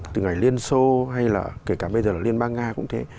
từ ngày liên xô hay là kể cả bây giờ là liên bang nga cũng thế